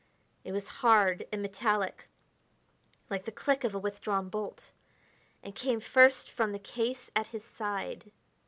It was hard and metallic, like the click of a withdrawn bolt, and came first from the case at his side.